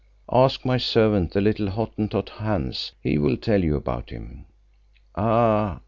Ask my servant, the little Hottentot Hans; he will tell you about him." "Ah!